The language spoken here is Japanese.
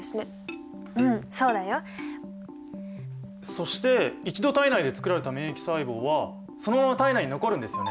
そして一度体内でつくられた免疫細胞はそのまま体内に残るんですよね？